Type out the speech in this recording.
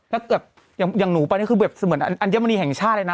แล้วแบบอย่างอย่างหนูป่ะเนี่ยคือแบบเหมือนอันยมณีแห่งชาติเลยนะ